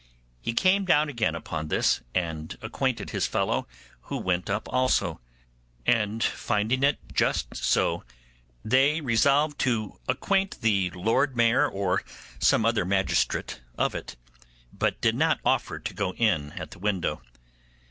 He came down again upon this, and acquainted his fellow, who went up also; and finding it just so, they resolved to acquaint either the Lord Mayor or some other magistrate of it, but did not offer to go in at the window.